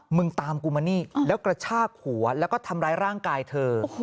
มึงตามกูมานี่แล้วกระชากหัวแล้วก็ทำร้ายร่างกายเธอ